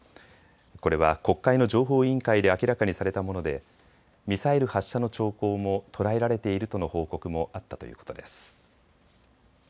これは国会の情報委員会で明らかにされたものでミサイル発射の兆候も捉えられているとの報告もあったということです。